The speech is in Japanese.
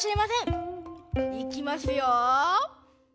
いきますよ！